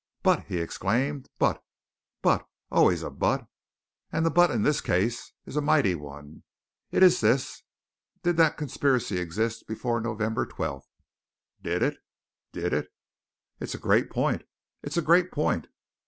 "But!" he exclaimed. "But but always a but! And the but in this case is a mighty one. It's this did that conspiracy exist before November 12th? Did it did it? It's a great point it's a great point.